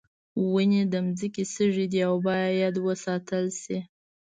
ونې د ځمکې سږی دي او باید وساتل شي.